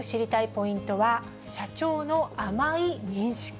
ポイントは、社長の甘い認識。